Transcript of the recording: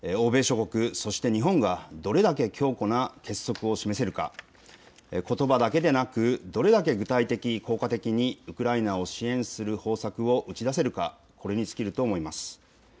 欧米諸国、そして日本がどれだけ強固な結束を示せるか、ことばだけでなくどれだけ具体的、効果的にウクライナを支援する方策を打ち出せるか、これに尽きると思います。